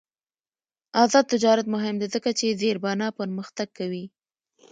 آزاد تجارت مهم دی ځکه چې زیربنا پرمختګ کوي.